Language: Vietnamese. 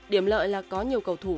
điểm lợi là có nhiều cầu thủ